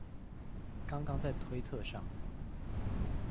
剛剛在推特上